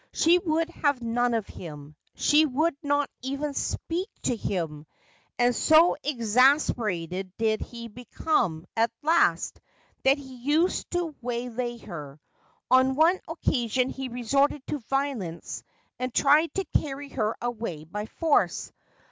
She would have none of him ; she would not even speak to him ; and so exasperated did he become at last that he used to waylay her. On one occasion he resorted to violence and tried to carry her away by force.